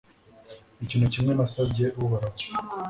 ikintu kimwe nasabye uhoraho